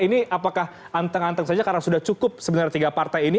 ini apakah anteng anteng saja karena sudah cukup sebenarnya tiga partai ini